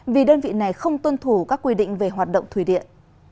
vì đơn vị này không tuân thủ các quy định về hoạt động thủy điện